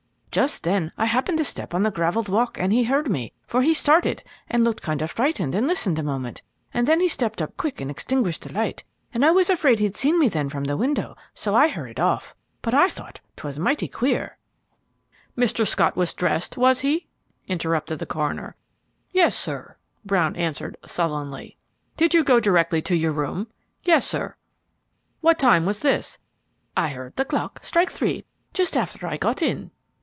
Just then I happened to step on the gravelled walk and he heard me, for he started and looked kind of frightened and listened a moment, and then he stepped up quick and extinguished the light, and I was afraid he'd see me then from the window, so I hurried off. But I thought 'twas mighty queer " "Mr. Scott was dressed, was he?" interrupted the coroner. "Yes, sir," Brown answered, sullenly. "Did you go directly to your room?" "Yes, sir." "What time was this?" "I heard the clock strike three just after I got in."